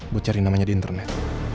gue cari namanya di internet